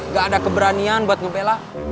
gak ada keberanian buat ngebela